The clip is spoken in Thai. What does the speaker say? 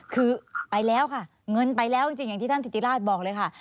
คือไปแล้วค่ะเงินไปแล้วจริงอย่างที่ท่านธิติราชบอกเลยค่ะ